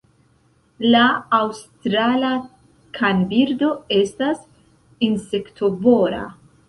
La Aŭstrala kanbirdo estas insektovora.